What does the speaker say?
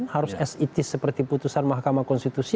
harus sit seperti putusan mahkamah konstitusi